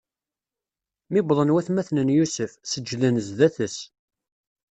Mi wwḍen watmaten n Yusef, seǧǧden zdat-s.